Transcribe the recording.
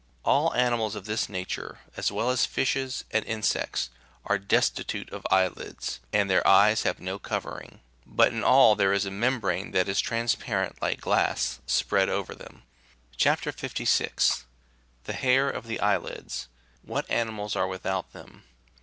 All animals of this nature, as well as fishes and insects, are destitute of eye lids, and their eyes have no cover ing ; but in all there is a membrane that is transparent like glass, spread over them. CHAP. 56. — THE HAIR OF THE EYE LIBS ; WHAT ANIMALS AEE WITHOUT THEM.